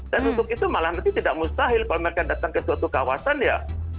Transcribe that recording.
dan untuk itu malah nanti tidak mustahil kalau mereka datang ke suatu kawasan ya